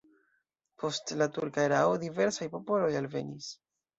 Post la turka erao diversaj popoloj alvenis.